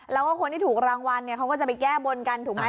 แล้วก็คนที่ถูกรางวัลเนี่ยเขาก็จะไปแก้บนกันถูกไหม